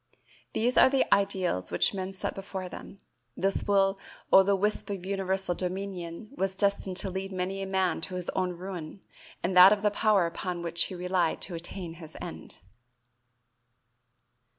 These are the ideals which men set before them; this will o' the wisp of universal dominion was destined to lead many a man to his own ruin and that of the power upon which he relied to attain his end.